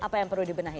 apa yang perlu dibenahi